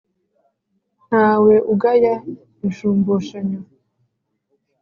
ntawe ugaya inshumbushanyo.